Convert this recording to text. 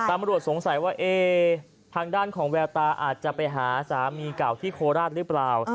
ตำรวจสงสัยว่าทางด้านของแววตาอาจจะไปหาสามีเก่าที่โคราชหรือเปล่า